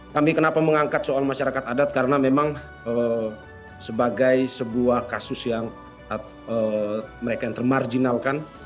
kami kenapa mengangkat soal masyarakat adat karena memang sebagai sebuah kasus yang mereka yang termarjinalkan